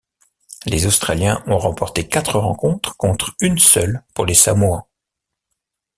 Les Australiens ont remporté quatre rencontres contre une seule pour les Samoans.